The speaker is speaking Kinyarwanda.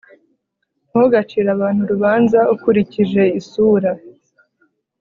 ntugacire abantu urubanza ukurikije isura